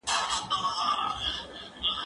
زه اوس ځواب ليکم!.